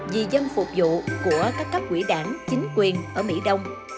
vì dân phục vụ của các cấp quỹ đảng chính quyền ở mỹ đông